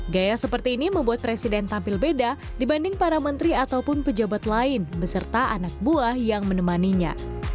gaya seperti ini membuat presiden tampil beda dibanding para menteri ataupun pejabat lain beserta anak buah yang menemaninya